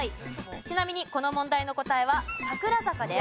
ちなみにこの問題の答えは『桜坂』です。